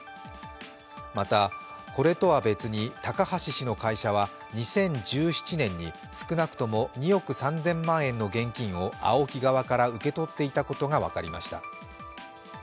また、これとは別に高橋氏の会社は２０１７年に少なくとも２億３０００万円の現金をＡＯＫＩ側から受け取っていたことが分かりました。